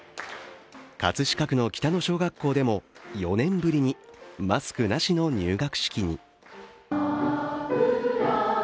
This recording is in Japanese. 葛飾区の北野小学校でも４年ぶりにマスクなしの入学式に。